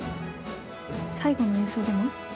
最後の演奏でも？